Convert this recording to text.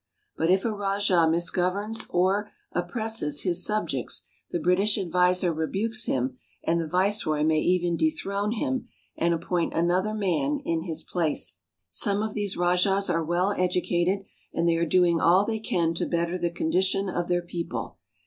But if a rajah misgoverns or oppresses his subjects, the British adviser rebukes him, and the Vice roy may even dethrone him and appoint another man in his place. Some of these rajahs are well educated, and they are doing all they can to better the condition of their people.